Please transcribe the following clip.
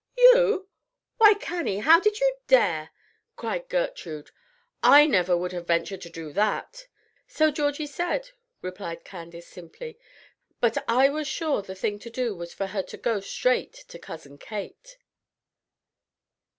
"You! why, Cannie, how did you dare?" cried Gertrude. "I never would have ventured to do that." "So Georgie said," replied Candace, simply; "but I was sure the thing to do was for her to go straight to Cousin Kate."